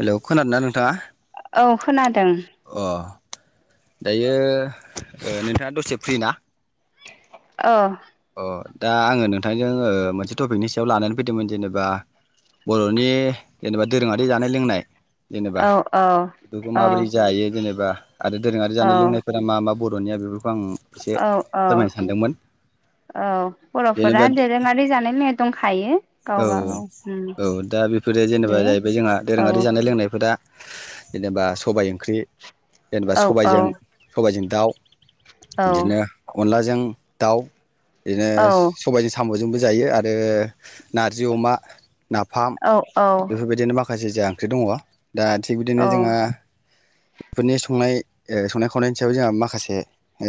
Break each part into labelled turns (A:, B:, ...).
A: hello खोनादों ना नोंथाङा
B: औ खोनादों
A: अ दायो नोंथाङा दसे फ्रि ना
B: अ
A: अ दा आङो नोंथांजों ओ मोनसे टपिकनि सायाव लानानै फैदोंमोन जेनेबा बर'नि जेनेबा दोरोङारि जानाय लोंनाय
B: औ
A: जेनेबा
B: औ
A: बेखौ माबोरै जायो जेनेबा आरो दोरोङारि
B: औ
A: जानाय लोंनायफोरा मा मा बर'निया बे खौ आं एसे
B: औ औ
A: फोरमायनो सानदोंमोन
B: औ बर'फोरा
A: जेनेबा
B: दोरोङारि जानाय दंखायो
A: औ
B: गावबा गाव उम
A: औ औ दा बेफोरो जेनेबा
B: दे
A: जाहैबाय जोंहा
B: औ
A: दोरोङारि जानाय लोंनायफोरा जेनेबा सबाय ओंख्रि जेनेबा
B: औ औ
A: सबाइजों सबाइजों दाउ
B: औ
A: बिदिनो अनला जों दाउ बिदिनो सबायजों साम'जोंबो जायो आरो नारजि अमा नाफाम
B: औ
A: बेफोरबायदिनो माखा माखासे जा ओंख्रि दङ दा थिग बिदिनो
B: औ
A: जोंहा बेफोरनि संनाय ओ संनाय खावनायनि सायाव जोंहा माखासे ओ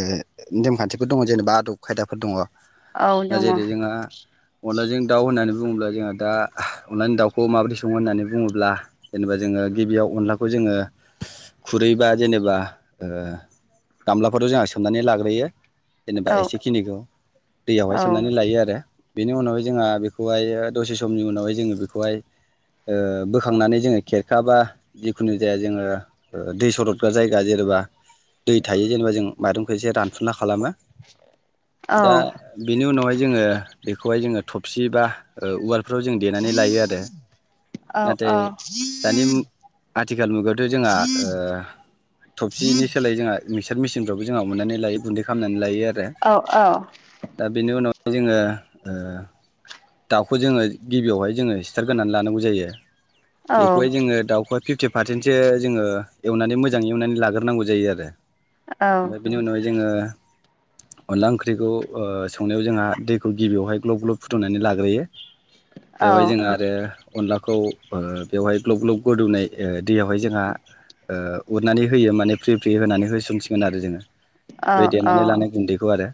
A: नेमखान्थिफोर दङ जेनेबा आदब खायदाफोर दङ
B: औ
A: दा
B: दङ औ
A: जेरै जोंहा अनलाजों दाउ होननानै बुङोब्ला जोंहा दा अनलानि दाउखौ माबायदि सङो होननानै बुङोब्ला जेनेबा जोङो गिबियाव अनलाखौ जोङो खुरैबा जेनेबा ओ गामलाफोराव जोंहा सोमनानै लाग्रोयो जेनेबा
B: औ
A: एसेखिनिखौ दैयावहाय
B: औ
A: सोमनानै लायो आरो बेनि उनावहाय जोंहा बेखौ बेखौहाय दसे समनि उनावहाय जोङो बेखौहाय ओ बोखांनानै जोङो खेरखा बा जिखुनु जाया जोङो दै सरग्रा जायगा जेनेबा दै थायो जेनेबा जों माइरंखौ एसे रानफुलाखायो खालामो दा बेनि उनावहाय जोङो बेखौहाय जोङो थफसि बा [unintelligible] फ्राव जों देनानै लायो आरो नाथाय दानि आथिखाल मुगायावथ' जोंहा ओ थबसिनि सोलाय जोंहा मिक्सार मेसिनफ्रावबो जोंहा अननानै लायो गुन्दै खालामनानै लायो आरो दा बेनि उनाव जोङो ओ दाउखौ जोङो गिबियावहाय जोङो सिथारग्रोनानै लानांगौ जायो बेखौहाय जोङो दाउखा फि फिफ्टि पारसेन्टसो जोङो एवनानै मोजाङै एवनानै लाग्रोनांगौ जायो आरो ओमफ्राय बिनि उनावहाय जोङो अनला ओंख्रिखौ ओ संनायाव जोंहा दैखौ गिबियावहाय ग्लब ग्लब फुदुंनानै लाग्रो [inaudible] बेवहाय जोंना आरो अनलाखौ बेवहाय ग्लब ग्लब गोदौनाय दैयावहाय जोंहा ओ उरनानै होयो माने फ्रि फ्रि होनानै होसोमसिगोन आरो जोङो बै देनानै लानाय गुन्दैखौ आरो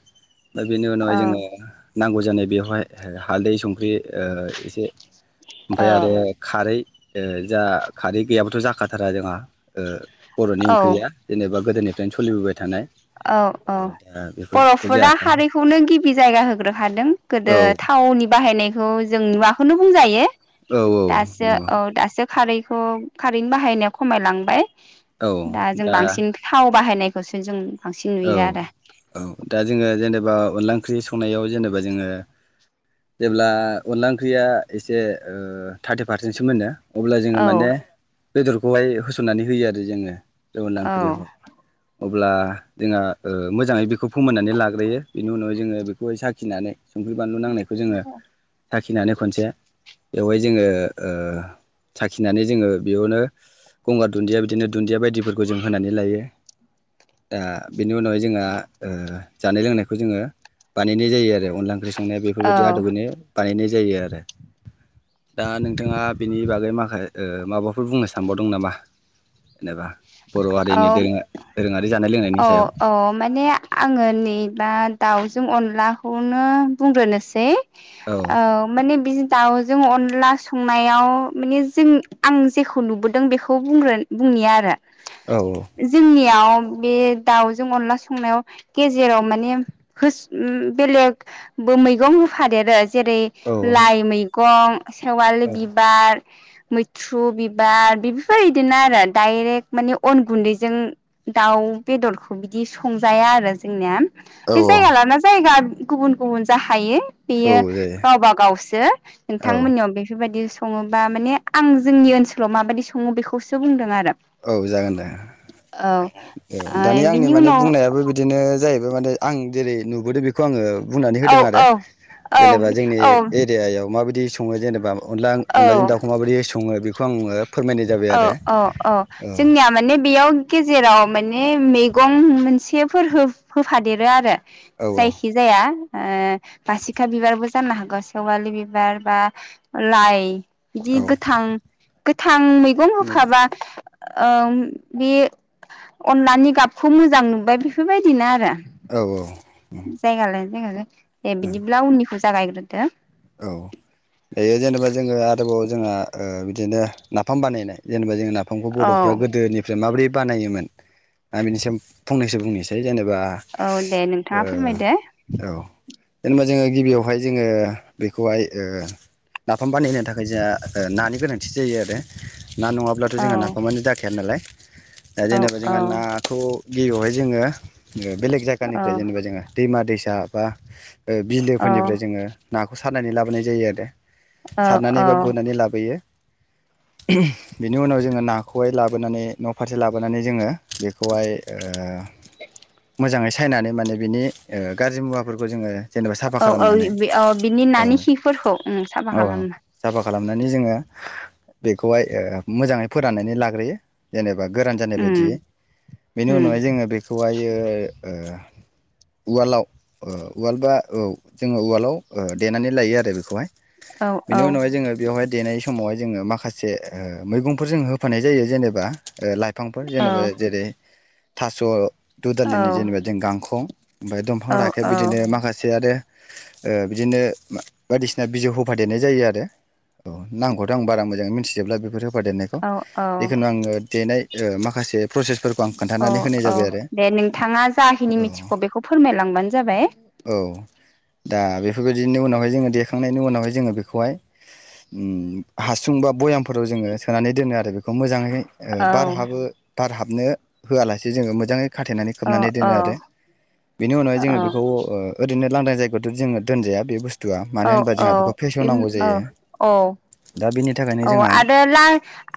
A: दा बेनि उनावहाय जोङो नांगौ जानाय बेवहाय हालदै संख्रि ओ एसे ओमफ्राय आरो खारै ओ जा खारै गैयाब्लाथ' जाखाथारा जोंहा ओ बर'नि ओंख्रिया जेनेबा गोदोनि सोलिबोबाय थानाय
B: औ
A: अ
B: औ
A: दा बेफोरखौ
B: बर'फोरा
A: जायाखै
B: खारिखौनो गिबि जायगा होग्रो हादों
A: औ
B: गोदो थाावनि बाहायनायखौ जों नुवाखौनो बुंजायो
A: औ औ
B: दासो
A: नंगौ
B: औ दासो खारैखौ खारैनि बाहायनाया खमायलांबाय
A: औ
B: दा जों बांसिन थाव बाहायनाय लोगोसे जों बांसिन
A: औ
B: नुयो आरो
A: औ दा जोङो जेनेबा अनला ओंख्रि संनायाव जेनेबा जोङो जेब्ला अनला ओंख्रिया एसे ओ थार्टि पारसेन्टसो मोनो अब्ला जोङो
B: औ
A: माने बेदरखौहाय होसननानै होयो आरो जोङो अनला
B: औ
A: ओंख्रियावहाय अब्ला जोंहा ओ मोजाङै बेखौ फोमोननानै लाग्रोयो बेनि उनावाय जोङो बेखौहाय साखिनानै संख्रि बानलु नांनायखौ जोङो साखिनानै खनसे बेवहाय जोङो ओ साखिनानै जोङो बेयावनो गंगार दुन्दिया बिदिनो दुन्दिया बायदिफोरखौ जों होनानै लायो दा बेनि उनावहाय जोंहा ओ जानाय लोंनायखौ जोङो बानायनाय जायो आरो अनला ओंख्रि संनाया बेफोरबायदि आदबजोंनो बानायनाय जायो आरो दा नोंथाङा बिनि बागै माखा ओ माबा फोर बुंनो सानबावदों नामा जेनेबा बर' हारिनि दोङ दोरोङारि जानाय लोंनायनि सायाव
B: अ माने आङो नैबा दाउजों अनलाखौनो बुंग्रोनोसै
A: औ
B: ओ माने बिनो दाउ जों अनला संनायाव माने जों आं जेखौ नुबोदों बेखौ बुंग्रोन बुंनि आरो
A: औ
B: जोंनि बे दाउजों अनला संनायाव गेजेराव माने होस बेलेगबो मैगं होफादेरो जेरै
A: औ औ
B: लाइ मैगं सेवालि
A: औ
B: बिबार मैथ्रु बिबार बेफोर इदिनो आरो डाइरेक्ट माने अन गुन्दैजों दाउ बेदरखौ बिदि संजाया आरो जोंनिया बि
A: औ
B: जायगा लाना जायगा गुबुन गुबुन जाखायो
A: औ
B: बेयो
A: जायो
B: गावबा गावसो
A: औ
B: नोंथांमोननियाव बेफोरबायदि सङोबा माने आं जोंनि ओनसोलाव माबायदि सङो बेखौसो बुंदों आरो
A: औ जागोन दे
B: औ
A: औ दानि आंनि
B: बिनि
A: माने
B: उनाव
A: बुंनायाबो बिदिनो जायैबा ओ माने आं जेरै नुबोदों बेखौ आङो बुंनानै
B: औ
A: होदों आरो
B: औ औ
A: जेनेबा जोंनि एरियायाव माबायदि संयो जेनेबा अनला अनलाजों
B: औ
A: दाउखौ माबोरै सङो बि खौ आङो फोरमायनाय जाबाय
B: औ
A: आरो
B: औ औ जोंनिया माने बेयाव गेजेराव माने मैगं मोनसेफोर होफादेरो आरो
A: औ औ
B: जायखि जाया ओ बासिखा बिबारबो जानो हागौ सेवालि बिबार बा लाइ बिदि गोथां गोथां गं होफाबा ओ बे अनलानि गाबखौ मोजां नुबाय बेफोरबायदिनो आरो
A: औ औ
B: जायगा लायै म [unintelligible] ए
A: औ
B: बिदिब्ला उननिखौ जागायग्रोदो
A: औ बेयो जेनेबा जोङो आरोबाव जोंहा ओ बिदिनो नाफाम बानायनाय जेनेबा जों ना दफांखौ
B: औ
A: बड'फ्रा गोदोनिफ्राय माबोरै बानायोमोन दा बेनिसम फंनैसो बुंनोसै जेनेबा
B: औ दे नोंथाङा
A: ओ
B: फोरमायदो
A: औ जेनेबा जोङो गिबियावहाय जोङो बेखौहाय ओ नाफाम बानायहैनो थाखाय जोंहा नानि गोनांथि जायो आरो ना
B: औ
A: नङाब्लाथ' जोंहा नाखौ मानि जाखाया नालाय दा जेनेबा
B: औ
A: जोंहा नाथ गिबियावहाय जोङो बेलेग जायगानिफ्राय जेनेबा जोङो दैमा दैसा अब्ला ओ बिलोफोरनिफ्राय जोङो सानानै लाबोनाय जायो आरो
B: औ औ
A: सारनानै बा गुरनानै लाबोयो बेनि उनाव जोङो नाखौहाय लाबोनानै न' फारसे लाबोनानै जोङो बेखौहाय
B: [inaudible]
A: मोजाङै सायनानै माने बिनि ओ गाज्रि मुवाफोरखौ जोङो जेनेबा साफा
B: औ औ
A: खालामनानै
B: [unintelligible] नि नानि
A: औ
B: खिफोरखौ उम साफा खालामो
A: नानै जोङो बेखौहाय ओ मोजाङै फोराननानै लाग्रोयो जेनेबा एबा गोरान जानाय बायदि
B: उम
A: बेनि
B: उम
A: उनावहाय जोङो बेखौहायो ओ उवालाव ओ उवाल बा औ जोङो उवालाव देनानै लायो आरो बेखौहाय
B: औ
A: बेनि
B: औ
A: उनावहाय जोङो बेवहाय देनाय समावहाय जोङो माखासे ओ मैगंफोर जों होफानाय जायो जेनेबा ला फांफोर
B: औ
A: जेनेबा जेरै थास'
B: औ
A: दुदालिनि जेनेबा जों गांखं ओमफ्राय
B: औ
A: दंफां राखेब बिदिनो माखासे आरो ओ बिदिनो बायदिसिना बिजौ होफादेरनाय जायो आरो औ नामखौथ' आं बारा मोजाङै मिथिजोबब्ला बेफोर होफा देनायखौ
B: औ औ
A: जिखुनु आङो देनाय ओ माखासे प्रसेस फोरखौ
B: औ औ दे नोंथाङा जाहिनि
A: औ
B: मिथिखौ बेखौ फोरमायलांबानो जाबाय
A: औ दा बेफोरबायदिनि उनावहाय जोङो देखांनायनि उनावहाय जोङो बेखौहाय उम हासुं बा भयामफोराव जोङो सोनानै दोनो आरो बेखौ मोजाङै ओ
B: औ
A: बार हाबो बार हाब हाबनो होआलासे जोङो मोजाङै खाथेनानै
B: औ
A: खोबनानै
B: औ
A: दोनो आरो बेनि उनावहाय जोङो बेखौ ओ ओरैनो लांदां जा जो दोनजाया बे बुस्थु
B: औ औ औ औ
A: दा बेनि थाखायनो
B: औ
A: जोंहा
B: आरो ला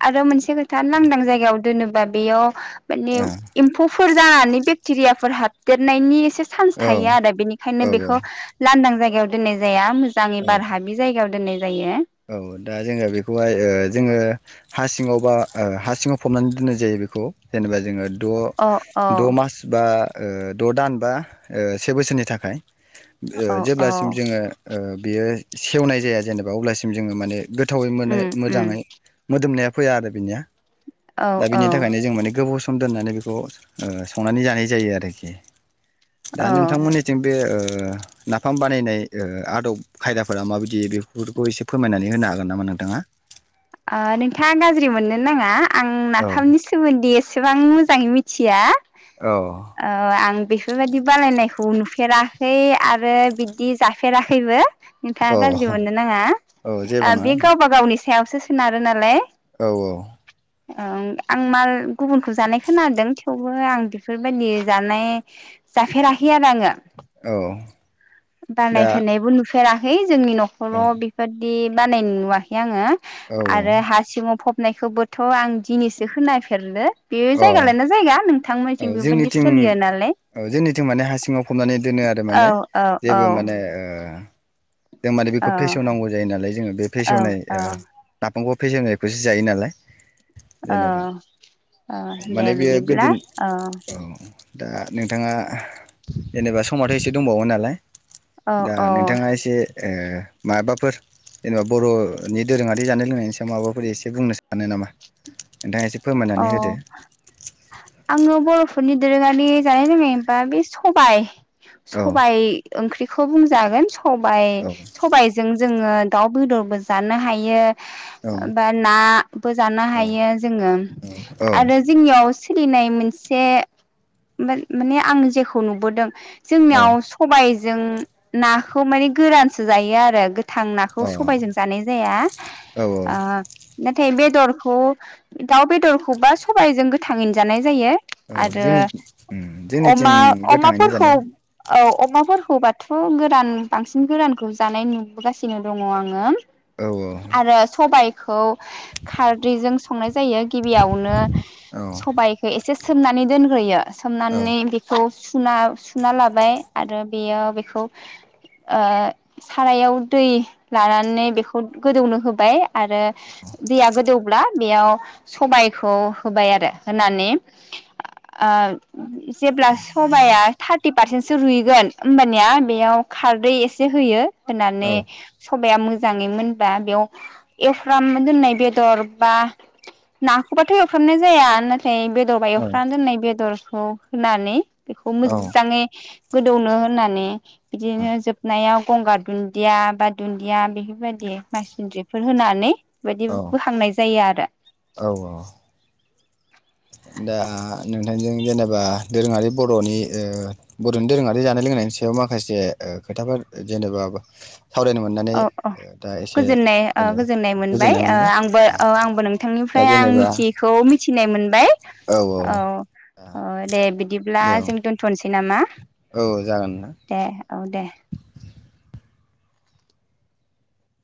B: आरो मोनसे खोथा लांदां जायगायाव दोनोबा बेयाव माने एम्फौफोर जानानै बेक्टेरिया फोर हाबदेरनायनि एसे चान्स
A: ओ
B: थायो आरो बेनिखायनो
A: औ
B: बेखौ लांदां जायगायाव द जाया मोजां ए
A: औ
B: बार हाबि जायगायाव [unintelligible]
A: औ दा जोङो बेखौहाय ओ जोङो हासि सिङाव बा ओ हा सिङाव फबनानै दोननाय जायो बेखौ जेनेबा जोङो द'
B: अ औ
A: द' मास बा ओ द' दान बा ओ से बोसोरनि थाखाय
B: औ औ
A: जेब्लासिम जोङो ओ बेयो सेवनाय जाया जेनेबा अब्लासो सिम जोङो माने गोथावै मोनो
B: उम उम
A: मोजाङै मोदोमनाया फैया आरो बिनिया
B: औ
A: दा
B: औ
A: बिनि थाखायनो जों माने गोबाव सम [unintelligible] म दोननानै बेखौ ओ संनानै जानाय जायो आरोखि दा
B: औ
A: नोंथांमोननिथिं बे ओ नाफाम बानायनाय ओ आदब खायदाफोरा माबायदि बेफोरखौ एसे फोरमायनानै होनो हागोन नामा नोंथाङा
B: ओ नोंथाङा गाज्रि मोननो नाङा आं
A: औ
B: नाफामनि सोमोन्दै एसेबां मोजां मोजाङै मिथिया
A: औ
B: औ आं बेफोरबायदि बानायनायखौ नुफेराखै आरो बिदि जाफेराखैबो नोंथाङा
A: औ
B: गाज्रि मोननो ओ नाङा
A: औ जेबो
B: ओ बे
A: नङा
B: गावबा गावनि [unintelligible] सोनारो नालाय
A: औ औ
B: औ आं माल गुबुनखौ जानाय खोनदों थेवबो आं बेफोरबायदि जानाय जाफेराखै आरो आङो
A: औ दा
B: बानायफेरनायबो नुफेर नुफेराखै जोंनि
A: औ
B: न'खराव बेबादि बानायनाय नुवाखै आङो
A: औ
B: आरो हासिङाव फबनाय खौबोथ' आं दिनैसो खोनाफेरदों बे
A: अ
B: जायगा लाना
A: औ
B: जायगा नोंथांमोनथिं बेबायदि
A: जोंनिथिं
B: सोलियो नालाय
A: औ जोंनिथिं माने हा सिङाव फबनानै दोनो आरो माने
B: औ औ
A: माने ओ जों माने बेखौ
B: औ
A: फेसेवनांगौ जायो नालाय जोङो बे
B: औ
A: फेसेवनाय
B: औ
A: ओ नाफामखौ फेसेवनायखौसो जायो नालाय जेनेबा
B: अ
A: माने बेयो गोदोनि औ दा नोंथाङा जेनेबा समावथ' एसे दंबावो नालाय
B: औ
A: दा
B: औ
A: नोंथाङा एसे माबाफोर जेनेबा बर'नि दोरोङारि जानाय लोंनायनि सायाव माबाफोर एसे बुंनो सानो नामा नोंथाङा एसे फोरमायनानै होदो
B: औ आङो बर'फोरनि दोरोङारि जानाय लोंनाय होनबा बे सबाय
A: औ
B: सबाइ ओंख्रिखौ बुंजागोन सबाइ
A: औ
B: सबाइजों जोङो दाउ बेदरबो जानो हायो
A: औ
B: बा नाबो जानो
A: औ
B: हायो
A: औ
B: आरो जोंनियाव सोलिनाय मोनसे मान माने आं जेखौ नुबोदों जोंनियाव सबाय जों नाखौ माने गोरानसो जायो आरो थां नाखौ सबायजों जानाय जाया
A: अ औ
B: ओ नाथाय बेदरखौ दाउ बेदरखौबा सबाइजों गोथाङैनो जानाय जायो
A: औ
B: आरो
A: जोंनि उम जोंनिथिं
B: अमा
A: गोथाङैनो
B: अमाफोरखौ
A: जानो
B: औ अमाफोरखौबाथ' गोरान बांसिन गोरानखौ जानाय नुबोगासिनो दङ आङो
A: औ
B: आरो सबाइ खौ खारैजों संनाय जायो गिबियावनो
A: औ
B: सबाइखौ एसे सोमनानै दोनग्रोयो
A: औ
B: सोमनानै बेखौ सुना सुना लाबाय आरो बेयो बेखौ ओ सारायाव दै लानानै बेखौ गोदौनो होबाय आरो दैया गोदौब्ला बेयाव सबायखौ होबाय आरो होनानै ओ जेब्ला सबाया थार्टि पारसेन्टसो रुइगोन होमबानिया बेयाव खारदै एसे होयो
A: औ
B: होनानै सबाइ सबाया मोजाङै मोनबा बेयाव एउफ्रामना दोननाय बेदर बा नाखौबाथ' एवफ्रामनाय जाया नाथाय बेदरबा
A: औ
B: एउफ्रामना दोननाय बेदर औ होनानै बेखौ मोजाङै गोदौनो होनानै बिदिनो जोबनायाव गंगार दुन्दिया बा दुन्दिया बेफोरबायदि माइसिनन्द्रिफोर होनानै बायदि
A: औ
B: बोखांनाय आरो
A: औ औ दा नोंथांजों जेनेबा दोरोङारि बर'नि ओ बर'नि दोरोङारि जानाय लोंनायनि सायाव माखासे खोथाफोर जेनेबा सावरायनो मोननानै
B: औ
A: दा एसे
B: गोजोननाय ओ गोजोननाय मोनबाय आंबो अ आंबो
A: दा
B: नोंथांनिफ्राय आं
A: जेनेबा
B: मिथियैखौ मिथिना मोनबाय औ दे बिदिब्ला
A: औ
B: जों दोनथ'नोसै नामा
A: औ जागोन ना
B: दे औ दे